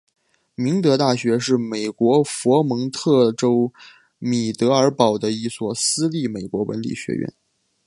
明德大学是美国佛蒙特州米德尔堡的一所私立美国文理学院。